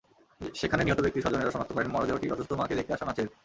সেখানে নিহত ব্যক্তির স্বজনেরা শনাক্ত করেন মরদেহটি অসুস্থ মাকে দেখতে আসা নাছিরের।